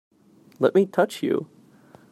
Let me touch you!